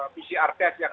pcr test yang